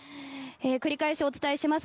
繰り返しお伝えします。